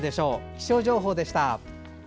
気象情報でした。